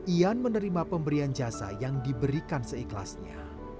ian menerima pemberian jasa yang diberikan seikhlasnya